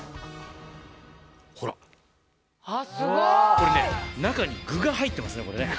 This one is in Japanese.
これね中に具が入ってますね。